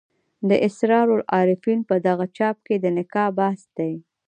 د اسرار العارفین په دغه چاپ کې د نکاح بحث دی.